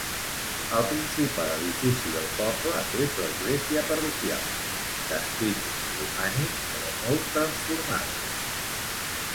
El principal edifici del poble és l’església parroquial, d’estil romànic, però molt transformada.